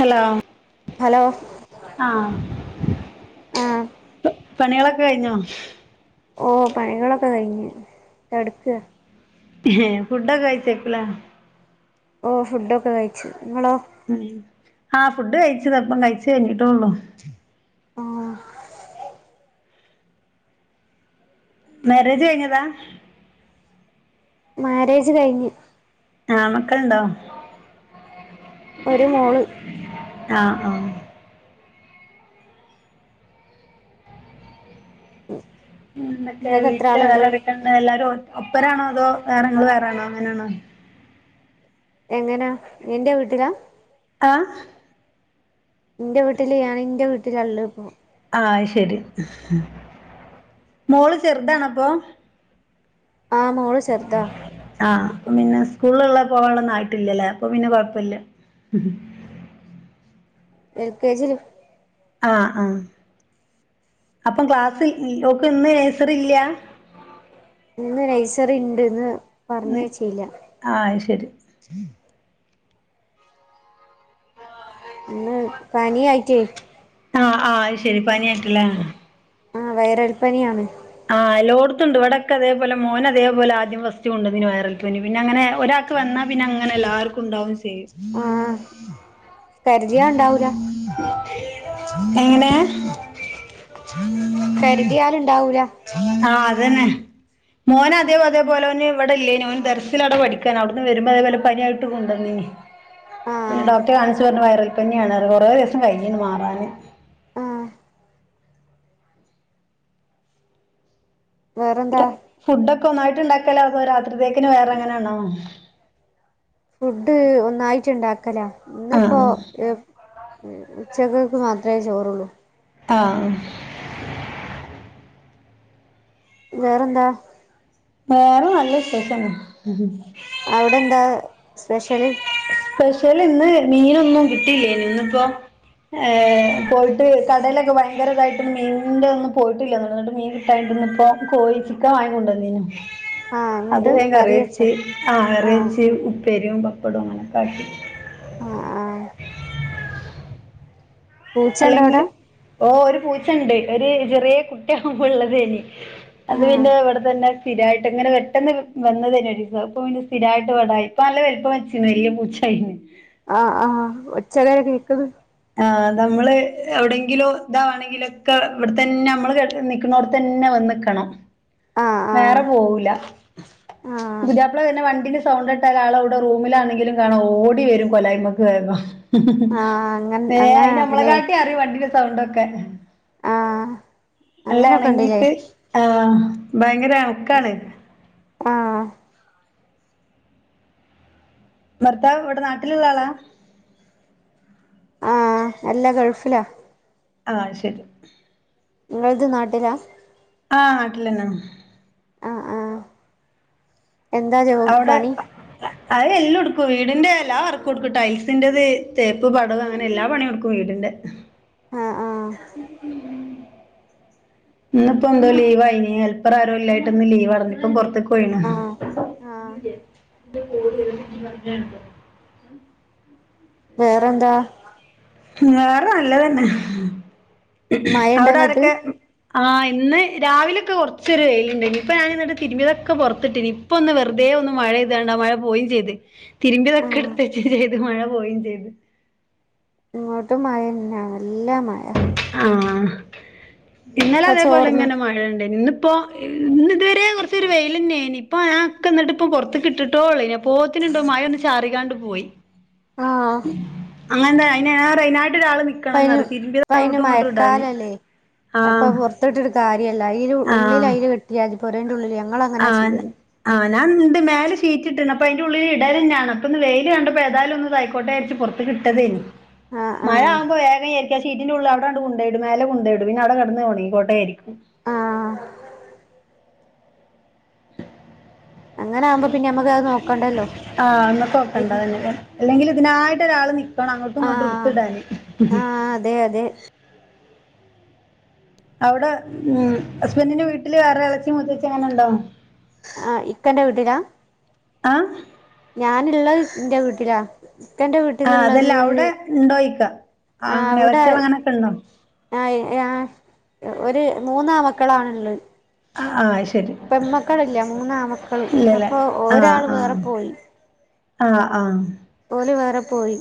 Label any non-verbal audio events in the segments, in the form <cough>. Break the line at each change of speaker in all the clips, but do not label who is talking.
Hello
hello
ആഹ്
ആഹ്
പണികളൊക്കെ കഴിഞ്ഞോ?
ഓഹ് പണികളൊക്കെ കഴിഞ്ഞ് കടക്ക
ഏഹ് ഫുഡ്ഡൊക്കെ കഴിച്ചക്കു ലേ
ഓഹ് ഫുഡൊക്കെ കഴിച്ചു ഇങ്ങളോ
ഉം ആഹ് ഫുഡ് കഴിച്ചത്പ്പം കഴിച്ച് കഴിഞ്ഞിട്ടേ ഉള്ളൂ
ആഹ്
മാരേജ് കഴിഞ്ഞതാ?
മാരേജ് കഴിഞ്ഞ്
ആഹ് മക്കള്ണ്ടോ?
ഒരു മോള്
ആഹ് ആഹ്
<inaudible>
എന്തൊക്കെ
ഇങ്ങക്ക് എത്ര
വീട്ടില്
ആള്ണ്ട്
വേറെ ആരെക്കണ്ട്, എല്ലാരും ഒ ഒപ്പരാണോ അതോ വേറെ, ഇങ്ങള് വേറാണോ എങ്ങനാണ്?
എങ്ങനാ എന്റെ വീട്ടിലാ?
ആഹ്
ന്റെ വീട്ടില് ഞാന്‌ ന്റെ വീട്ടില ഇള്ളത്പ്പോ
ആഹ് അത് ശരി മോള് ചെറുതാണപ്പൊ?
ആഹ് മോള് ചെർതാ
ആഹ് അപ്പം പിന്നെ സ്കൂള് ള്ള പോവാനുള്ള ആയിട്ടില്ലല്ലേ അപ്പൊ പിന്നെ കൊഴപ്പല്ല
എൽ കെ ജി ലാ
ആഹ് ആഹ്, അപ്പം ക്ലാസ്സ് ഇ ഓക്ക് ഇന്ന് നേഴ്സറി ഇല്ല?
ഇന്ന് നഴ്സറി ഇണ്ട് ഇന്ന്
ഇന്ന്
പറഞ്ഞയ്ചീല്ല
ആഹ് അത് ശരി
ഇന്ന് പനി ആയിറ്റേ
ആഹ് ആഹ് അത് ശരി പനി ആയിറ്റ് ല്ലേ
ആഹ് വയറൽപ്പനിയാണ്
ആഹ് എല്ലോട്ത്തുണ്ട് ഇവിടൊക്ക അതേപോലെ മോന് അതേപോലെ ആദ്യം ഫസ്റ്റ് കൊണ്ടന്നീനി വൈറൽ പനി പിന്നെ അങ്ങനെ ഒരാ ക്ക് വന്നാ പിന്നെ അങ്ങനെ എല്ലാർക്കും ഉണ്ടാവും ചെയ്യും
ആഹ കരുതിിയാണ്ടാവൂല
ഉ എങ്ങനെ
കരുതിയാാലുണ്ടാവൂല
ആഹ് അതന്നെ മോന അതേ പോഅതേപോലെ ഒന്ന്ന് ഇവിടെ ഇല്ലേനി ഓന് ദർസിൽ അവ്ടെ പഠിക്കാണ് അവിടുന്ന് വരുമ്പോ അതേോലെ പനായിട്ട് കൊണ്ടുവന്നീനി
ആഹ്
ഡോക്ടെകാണിിച്ചു പറഞ്ഞു വൈറൽ പനിയാണ് പറഞ്ഞ്കൊറേ ദിവസം കഴിഞ്ഞു മാറാാന്
ആഹ് വേറെന്താ
ഫുഡ്ൊക്കെ ഒന്നായിട്ട് ഉണ്ടാക്കല അതോ രാത്രിത്തേക്കി വേറെ എങ്ങനെയാണോ
ഫുഡ് ഒന്നായിട്ട് ഇണ്ടാക്കല ഇന്നിപ്പോൊ
ആഹ്
ഉച്ചകൾക്ക് മാത്രമേ ചോറുള്ളൂ
ആ
വേറെന്താ
വേറെ നല്ല വിശേഷന
അവിടെ എന്താ സ്പെഷ്യൽ
സ്പെഷ്യൽ ഇന്ന് മീനൊന്നും കിട്ടില്ലേ നി ഇന്നിപ്പോ ഏ പോയിട്ട് കടയിലൊക്കെ ഭയങ്കരതായിട്ടൊന്നും മീൻ ഒന്നും പോയിട്ടില്ല ന്നട്ട് മീൻ <unintelligible> ഇപ്പോൊ കോഴിച്ചിക്കൻ വാങ്ങി കൊണ്ടുവന്നീനു
ആഹ്
അത്
എന്നിട്ട്
വേം കറി
വെച്ചോ
വച്ച് ആ കറി
ആഹ്
വെച്ച് ഉപ്പേരിയും പപ്പടവും അങ്ങനെൊക്കെ ആാക്കി
ആ ആ പൂച്ചണ്ടോ
അല്ലെങ്കിൽ
അവിടെ
ഓ ഒരു പൂച്ചണ്ട് ഒരു ചെറിയ കുട്ടിയ ആകുമ്പോ ഉള തയ്നി അത്
ആഹ്
പിന്നെ എവിടെ തന്നെ സ്ഥിരമായിട്ട്ങ്ങനെ പെട്ടെന്ന് വന്നതയ്നി ഒരീസം പ്പം പിന്നെ സ്ഥിരിയിട്ട് വടായി പ്പം നല്ലവൽപം വെച്ചിണ് <unintelligible> പൂചായി ണ്
ആഹ് ആ ഒച്ചങ്ങനെ കേക്കുന്നു
ആ നമ്മള് എവിടെങ്കിലും ഇതാവാണെങ്കിലൊക്കെ ഇവിടെ തന്നെ നമ്മള് <unintelligible> ക്ക് ണോട് തന്നെ വന്ന്ക്കണം
ആഹ്
വേറെ
ആഹ്
പോവൂില്ല
ആഹ്
പുത്യാപ്പിള പിന്നെ വണ്ടീ സൗണ്ട ഇട്ട ആള ഇവിടെ റൂമിലാണെങ്കിലും കാണാം ഓടി വരും കൊലായ്മക്ക് വേഗം
ആഹ് അങ്ങ
അയിന് നമ്മളെ
അങ്ങനെയാണല്ലേ
കാാട്ടിം അറിയും വണ്ടിന്റെ സൗണ്ടൊക്കെ
ആഹ്
അല്ല
അങ്ങനൊക്കെ ഉണ്ടല്ലേ
ഇണങ്ങിട്ട് ആഹ് ഭയങ്കര ഇണക്കാണ്
ആഹ്
ഭർത്താവ് ഇവിടെ നാട്ടിലുള്ള ആളാ
ആഹ് അല്ലാ ഗൾഫിലാ
ആഹ് ശരി
നിങ്ങളത് നാട്ടിലാ
ആഹ് നാട്ടില് തന്നെ
ആഹ് ആഹ് എന്താ ചെയുന്നത്
അവിടെ പാ അത് എല്ലുംഎടുക്കും വീടിന്റെ എല്ലാ വർക്കും എടുക്കും ടൈൽസിന്റെത് തേപ്പ് പടവ് അങ്ങനെ എല്ലാ പണി എടുക്കും വീടിന്റെ
ആ ആ
ഇന്ന് ഇപ്പോ എന്തോ ലീവ് ആയിന് ഹെൽപ്പർ ആാരും ഇല്ലായിട്ട് ഇന്ന് ലീവ് അർന്ന് ഇപ്പൊ പൊർത്ത്ക്ക് പോയിന്
ആഹ് ആഹ്
<unintelligible>
വേറെന്താ
വേറെ നല്ലതന്നെ അവിടെ
മഴണ്ടങ്ങട്ട്
ആരൊക്കെ ആഹ് ഇന്ന് രാവിലൊക്കെ കുറച്ചൊരു വെയിലുണ്ടിനി ഇപ്പൊ ഞാൻ ഇന്നിട്ട തിരുമ്പിയതൊക്കെ പുറത്തിട്ടിനി ഇപ്പ ഒന്ന് വെറുതെ ഒന്ന് മഴ്പെയ് താണ്ടാ മഴ പോകെയും ചെയ്ത് തിരുമ്പിതൊക്കെ
ആഹ്
എടുത്തച്ചും ചെയ്തു മഴ പോവുകയും ചെയ്ത്
ഇങ്ങോട്ടും മഴെന്നെയാ നല്ല മഴ
ആഹ് ഇന്നലെ
ഇപ്പ
അതേപോലെ
ചോർന്ന്
ഇങ്ങനെ മഴ ഇണ്ടായിനി ഇന്ന് ഇപ്പൊ ഇ ഇന്ന് ഇതുവരെ കൊറച്ചൊരു വെയിലെന്നെ ആയിന് ഇപ്പോ ഞാ ഒക്കെ എന്നിട്ട് ഇപ്പൊ പൊറത്തക്ക് ഇട്ടുട്ടോള്ളെയിനി ഇ അപ്പോത്തിനുണ്ടോ മഴ ഒന്ന് ചാറികാണ്ട് പോയി
ആഹ്
അങ്ങനെന്താ അയിനേറെ അയിനായിട്ട് ഒരാള് നിക്ക് ക്കണന്ന്
ഇപ്പയ്ന്
പറയും തിരുമ്പിയത്
ഇപ്പയ്ന്
അങ്ങട്ടും ഇങ്ങോട്ടും ഇടാന് ആഹ്
അതിട്ടിട്ട് കാര്യല്ല അയില് ഉള്ളില്
ആഹ്
അയില് കെട്ടിയാതി പൊരെന്റെ ഉള്ളില് ഞങ്ങളങ്ങനാ
ആഹ്
ചെയ്യല്
ആഹ് ഞാൻ ഇണ്ട് മേലെ ഷീറ്റ് ഇട്ടണ് അപ്പോ അയിന്റെ ഉള്ളില് ഇടലെന്നെയാണ് അപ്പൊന്ന് വെയില് കണ്ടപ്പോ ഏതാലും ഒന്ന് ഇതായിക്കോട്ടെന്ന്ച്ച് പൊറത്ത് ക്ക് ഇട്ടതേനി
ആഹ് ആഹ്
മഴ ആകുമ്പോ വേഗം വിചാരിക്കും ആ ഷീറ്റിന്റ ഉള്ളിൽ അവിടെ ആണ്ട് കൊണ്ടോയിടും മേലേ കൊണ്ടോയിടും പിന്നെ അവിടെ കെടന്ന് ഒണങ്ങിക്കോട്ടെന്ന് വിചാരിക്കും
ആഹ് അങ്ങനാവുമ്പോ പിന്നെ നമ്മക്കത് നോക്കണ്ടല്ലോ
ആഹ് ഇന്നത്തെ നോക്കണ്ട അതെന്നെ അല്ലെങ്കിൽ ഇതിനായിട്ട് ഒരാള് നിക്കണം അങ്ങോട്ടും ഇങ്ങോട്ട്
ആഹ്
എടുത്തിടാന്
ആഹ് അതെ അതെ
അവിടെ ഉം ഹസ്ബന്റിന്റെ വീട്ടില് വേറെ എളച്ചി മൂത്തച്ചി അങ്ങനെ ഇണ്ടോ
ആഹ് ഇക്കാന്റെ വീട്ടിലാ
ആഹ്
ഞാന് ഇള്ളത് ഇന്റെ വീട്ടിലാ ഇക്കന്റെ
ആഹ്
വീട്ടിലുള്ളത്
അതല്ലാ അവിടെ ഇണ്ടോയ്ക്കാ അങ്ങനെ എളച്ചിയള് അങ്ങനൊക്കെ ഇണ്ടോ?
ആയി ആഹ് ഒരു മൂന്നാമ്മക്കളാണ്ള്ളെ
ആഹ് ആഹ് അയ് ശരി
പെൺ മക്കൾ ഇല്ല മൂന്നാമക്കള്
ഇല്ലല്ലേ
അപ്പൊ ഒരാള് വേറെ പോയി
ആഹ് ആഹ്
ഓല് വേറെ പോയി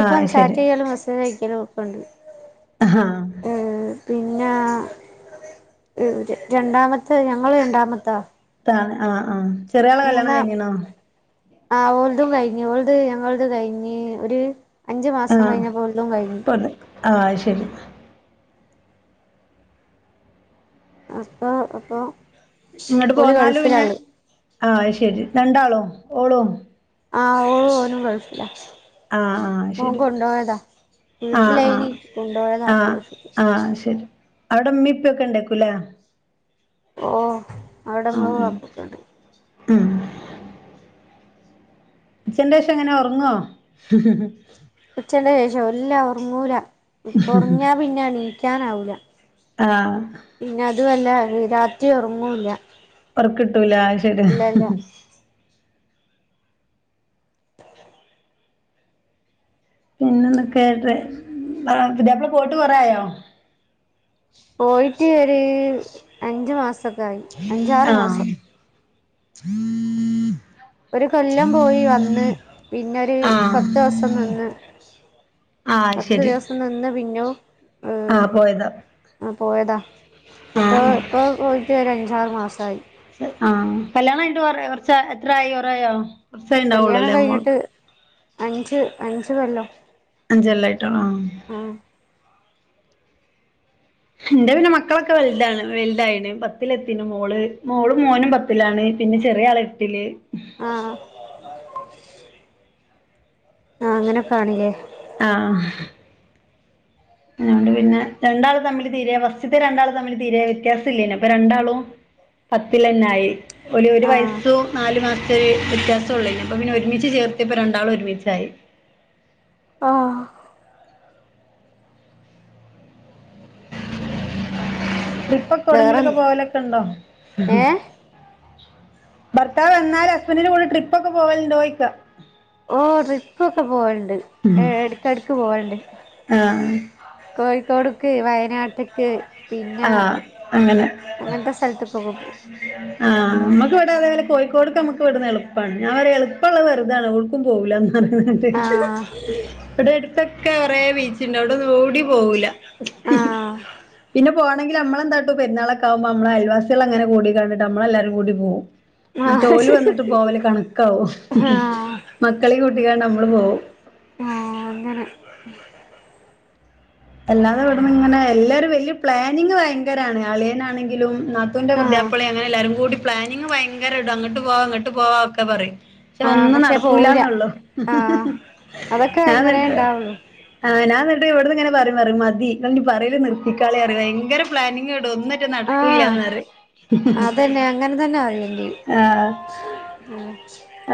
ആ ശരി
ചാറ്റ് ചെയ്യലും മെസ്സേജ് അയക്കലും ഒക്കെയുണ്ട്
ആഹ്
ഏഹ് പിന്നാ ഇവര് രണ്ടാമത്തെ ഞങ്ങള് രണ്ടാമത്തതാ
ത്താള് ആഹ് ആഹ് ചെറിയ ആളെ കല്യാണം കഴിഞ്ഞിനോ
ആഹ് ഓലതും കഴിഞ്ഞ് ഓലത് ഞങ്ങളത് കഴിഞ്ഞ് ഒരു അഞ്ചു മാസം കഴിഞ്ഞപ്പോ ഓൽതും കഴിഞ്ഞ്
ആഹ് <unintelligible> ആഹ് അയി ശരി
അപ്പോ അപ്പോ
ഇങ്ങട് പോന്നാല് പിന്നെ ആഹ് അയ് ശരി രണ്ടാളും ഓളും
ആഹ് ഓളു ഓനും ഗൾഫിലാ
ആഹ് ആഹ് അയ്
ഓൻ
ശരി
കൊണ്ടോയതാ
ആഹ് ആഹ്
വീട്ടിലേനി കൊണ്ടോയതാ
ആഹ്
ഗൾഫിക്ക്
ആഹ് ശരി അവിടെ ഉമ്മിപ്പൊക്കെ ഇണ്ടായിക്കൂലേ?
ഓഹ് അവിടെ ഉമ്മേം
ആഹ്
വാപ്പക്കണ്ട്
ഉം ഉച്ഛന്റെഷം എങ്ങനാ ഒറങ്ങോ?
ഉച്ചന്റെ ശേഷോ ഇല്ല ഒറങ്ങൂല ഇപ്പ ഒറങ്ങിയാ പിന്നെ ഇണീക്കാനാവൂല
ആഹ്
പിന്നെ അതുവല്ല വി രാത്രി ഒറങ്ങോല്ല
ഒറക്ക് കിട്ടൂല അത് ശരിയാ പിന്നെന്തൊക്കെ ട്രെ ഉം അ പുതിയാപ്പള പോയിട്ട് കൊറെ ആയോ?
പോയിറ്റ് ഒരു അഞ്ചു മാസൊക്കെ ആയി അഞ്ചാറ്
ആഹ്
മാസം
<unintelligible>
ഒരു കൊല്ലം പോയി വന്ന് പിന്നൊരു
ആഹ്
പത്തോസം നിന്ന്
ആഹ് അത് ശരി
നിന്ന പിന്നോ
ആഹ് പോയതാ
ആഹ് പോയതാ അപ്പൊ
ആഹ്
ഇപ്പൊ പോയിട്ട് ഒരു അഞ്ചാറ് മാസായി
ആഹ് കല്യാണംയിട്ട് കുറെ കുറച്ച ആ എത്ര ആയി കൊറേ ആയോ കൊർച്ചേ
കല്യാണം
ആയിണ്ടാവുള്ളൂല്ലേ മോൾ
കഴിഞ്ഞിട്ട് അഞ്ച് അഞ്ച് കൊല്ലം
അഞ്ചല്ലായിട്ടാണോ
ഉം
എന്റെ പിന്നെ മക്കളൊക്കെ വലുതാണ് വലുതായിണ് പത്തിൽ എത്തിന് മോള് മോളും മോനും പത്ത് ത്തിലാണ് പിന്നെ ചെറിയ ആള് ഏട്ടില്
ആഹ് ആഹ് അങ്ങനൊക്കാണില്ലേ
ആഹ് അതൊണ്ട് പിന്നെ രണ്ടാളും തമ്മില് തീരെ ഫസ്റ്റ്ത്തെ രണ്ടാൾ തമ്മില് തീരേ വ്യത്യാസം ഇല്ലേനും അപ്പൊ രണ്ടാളും പത്തിലെന്നായി ഓലി ഒരു
ആഹ്
വയസ്സു നാല് മാസത്തൊരി വ്യത്യാസം ഉള്ളേനി അപ്പൊ പിന്നെ ഒരുമിച്ച് ചേർത്തിയപ്പപ്പൊ രണ്ടാളും ഒരുമിച്ചായി
ആഹ്
<unintelligible> ട്രിപ്പൊക്കെ
വേറെ
എവിടെങ്കിലൊക്കെ പോവലൊക്കെ ഉണ്ടോ?
ഏഹ്
ഭർത്താവ് വന്നാൽ ഹസ്ബന്റിന്റെ കൂടെ ട്രിപ്പൊക്കെ പോവലുണ്ടോയ്ക്ക
ഓഹ് ട്രിപ്പൊക്കെ പോവണ്ട് ഇടക്കടക്ക് പോവാണ്ട്
ആഹ്
കോഴിക്കോട്ക്ക് വയനാട് ട്ട്ക്ക് പിന്ന
ആഹ്
അങ്ങൻത്തെ സ്ഥലത്ത്ക്കെ പോകു
അ ആഹ് അമ്മക്ക് ഇവിടെ അതേപോലെ കോഴിക്കോടക്ക് നമുക്ക് ഇവിടന്ന് എളുപ്പാണ് ഞാൻപറയും എളുപ്പള്ളത് വെർതാണ് എവ്ട്ക്കും പോകൂലാന്ന്.
ആഹ്
ഇവിടെ അടുത്തൊക്കെ കൊറെ ബീച്ച്ണ്ട് അവിടെന്നും എവിടേം പോവൂല
ആഹ് ആഹ്
പിന്നെ പോണെങ്കിൽ അമ്മളൻതട്ടും പരുന്നാളക്കൊവുമ്പോ മ്മൾ അൽവാസികൾ അങ്ങനെ കൂടി കണ്ടിട്ട്മ്മളല്ലാരും കൂടി പോവും മറ്റ ഓല്
ആഹ്
വന്നിട്ട് പോവല് കണക്കാവും
ആഹ്
മക്കളി കൂട്ടിക്കാണ്ട് നമ്മള് പോവും
ആഹ് അങ്ങനെ
അല്ലാതെ ഇവിടന്ന് ഇങ്ങനെ എല്ലരും വലിയ പ്ലാനിങ് ഭയങ്കരാണ് അളിയനാണെങ്കിലും നാത്തൂന്റെ
ആഹ്
പുതിയാപ്ളേണ്. എല്ലാരും കൂടി പ്ലാനിങ് ഭയങ്കര ഇടും അങ്ങ്ട്ട് പോവാ ഇങ്ങ്ട്ട് പോവാ ഒക്കെ പറയും പഷെ
ആഹ്
ഒന്നും
പക്ഷെ പോവൂല
നടക്കൂലന്നൊള്ളു
ആഹ് അതൊക്കെ അങ്ങനെ
ഞാന്ന്ട്ട്
ഇണ്ടാവുള്ളു
ആഹ് ഞാന്ന്ട്ട് ഇവിട്ന്ന് ഇങ്ങനെ പറിം പറിം മതി ഇങ്ങള്ഞി പറയല് നിർത്തിക്കാളി അറിം ഭങ്കര പ്ലാനിംങാ ഒന്നു
ആഹ്
നടക്കൂല്ലന്നറിം
അതന്നെ
ആഹ്
ആഹ്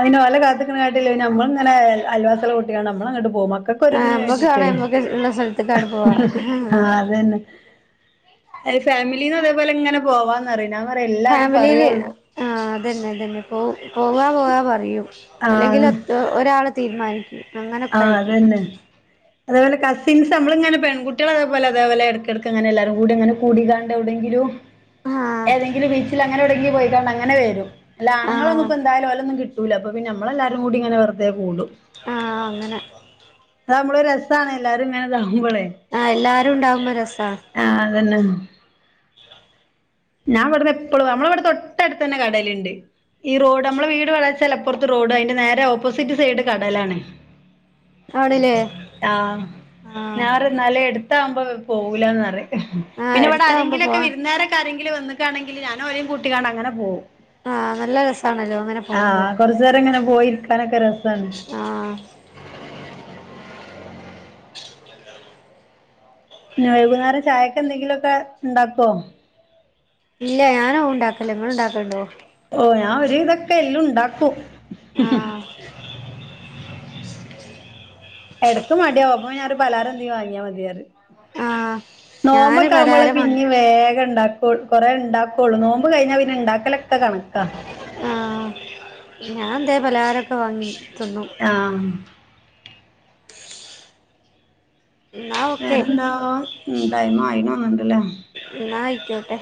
അയിന് ഓല കാത്ത്ക്ക്ണ കാട്ടില് ഞമ്മള് ഇങ്ങനെ അൽവാസേള്ള കുട്ട്യാണ്ട് ഞമ്മള അങ്ങ്ട്ട് പോവും മക്ക
ആഹ്
ക്കൊര്തിന്
നമ്മക്ക്
വേണ്ടിട്ടെ
വേണേ നമ്മക്ക് ഉള്ള സ്ഥലത്ത്ക്കാണ്ട് പോവാ
ആഹ് അതെന്നെ അയ് ഫാമിലീന്ന് അതെപോലെ ഇങ്ങനെ പോവാന്നറിം ഞാപറിം എല്ലാരും പറേ
ഫാമിലിയില്
ഉള്ളു
ആഹ് അതെന്നെ അതെന്നെ പോ പോവാ പോവാ പറയും അല്ലെങ്കില്
ആഹ്
ഒ ഒരാള് തീര്മാനിക്ക്
ആഹ് അതെന്നെ അതെപോലെ കസ്സിൻസ് ഞമ്മള ഇങ്ങനെ പെൺകുട്ടീള് അതെപോലെ അതെപോലെ എടക്കെടക്ക് അങ്ങനെ എല്ലാരും കൂടിയങ്ങനെ കൂടിങാണ്ട് എവിടെങ്കിലും
ആഹ്
ഏതെങ്കിലും ബീച്ച്ല് അങ്ങനെ എവടെങ്കിലും പോയികാണ്ട് അങ്ങനെ വരും. അല്ല ആണുങ്ങളൊന്നും
ആഹ്
ഇപ്പ എന്തായാലും ഓലൊന്നും കി ട്ടൂല അപ പിന്നെ ഞമ്മളെല്ലാരും കൂടി ഇങ്ങനെ വെറ്തേ കൂടും
ആഹ് അങ്ങനെ
അതാവുമ്പള് ഒരു രസ്സാണ് എല്ലാരും ഇങ്ങനെ ഇതാവുമ്പളെ
ആഹ് എല്ലാരും ഇണ്ടാവുമ്പൊ രസാ
ആഹ് അതെന്നെ ഞാൻ ഇവിടുന്ന് എപ്പളും ഞമ്മളെവടെ തൊട്ടട്ത്തെന്നെ കടല്ണ്ട് ഈ റോഡ് ഞമ്മള് വീട് വളച്ചലപ്പറത് റോഡ് അയിന്റെ നേരെ ഓപ്പോസിറ്റ് സൈഡ് കടലാണ്
ആണ്ല്ലേ
ആഹ്
ആഹ്
ഞാറ് ന്നാല് എട്ത്താവുമ്പ പോവൂലന്നറിം
ആഹ്
പിന്നെ ഇവടെ
എടുത്താവുമ്പോ
ആരെങ്കിലൊക്കെ
പോവാ
വിര്ന്നേരൊക്ക ആരെങ്കിലൊക്കെ വന്ന്ക്കാണെങ്കില് ഞാനോലി കൂട്ടിങ്ങാണ്ട് അങ്ങനെ പോകും
ആഹ് നല്ല രസാണല്ലോ അങ്ങനെ പോകുമ്പോ
ആഹ് കൊറച്ചേരം ഇങ്ങനെ പോയിരിക്കാനൊക്ക രസാണ്
ആഹ്
ഞി വൈകുന്നേരം ചായക്ക് എന്തെങ്കിലൊക്കെ ഇണ്ടാക്കൊ
ഇല്ല ഞാനൊഔ ഇണ്ടാക്കൽല്ല ഇങ്ങള് ഇണ്ടാക്കല്ണ്ടൊ
ഓഹ് ഞാ ഒര് വിതൊക്കെ എല്ലൊ ഇണ്ടാക്കും
ആഹ്
എടക്ക് മടിയാവും അപ്പം ഞാറിം പലഹാരെന്തെ വാങ്ങ്യാ മതിഅറിം
ആഹ് ഞാന്
നോമ്പൊക്കെ ആവുമ്പള
പലഹാരം വാങ്ങി
പിന്നീം വേഗം ഇണ്ടാ കൊറേ ഇണ്ടാക്കൊള്ളു നോമ്പ് കഴിഞ്ഞ പിന്നെ ഇണ്ടാക്കലൊക്ക കണക്ക
ആഹ് ഞാൻതെലും പലഹാരൊക്ക വാങ്ങി തിന്നു
ആഹ്
എന്നാ ഓക്കെ
വേറെന്താ ഉം ടൈമായി ആയിന്ന് തോന്ന്ണ്ട്ലെ
ഇന്ന അയ്ക്കോട്ടെ